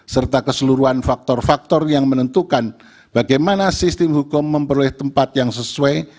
serta keseluruhan faktor faktor yang menentukan bagaimana sistem hukum memperoleh tempat yang sesuai